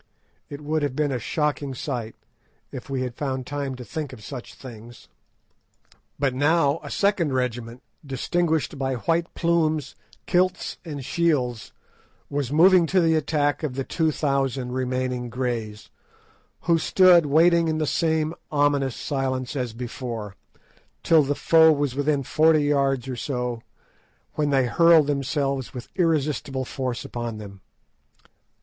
It would have been a shocking sight, if we had found time to think of such things. But now a second regiment, distinguished by white plumes, kilts, and shields, was moving to the attack of the two thousand remaining Greys, who stood waiting in the same ominous silence as before, till the foe was within forty yards or so, when they hurled themselves with irresistible force upon them.